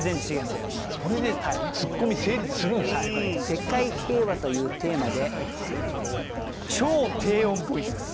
世界平和というテーマで超低音ボイスです。